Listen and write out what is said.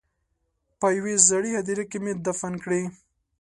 په یوې زړې هدیرې کې مې دفن کړې.